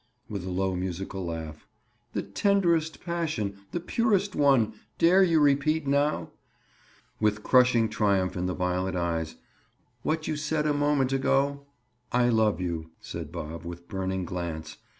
With a low musical laugh. "The tenderest passion! The purest one! Dare you repeat now," with crushing triumph in the violet eyes, "what you said a moment ago." "I love you," said Bob, with burning glance.